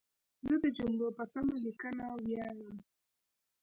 زه د جملو په سمه لیکنه ویاړم.